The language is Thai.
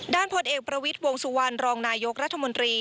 พลเอกประวิทย์วงสุวรรณรองนายกรัฐมนตรี